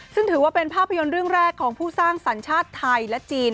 ซึ่งถือว่าเป็นภาพยนตร์เรื่องแรกของผู้สร้างสัญชาติไทยและจีน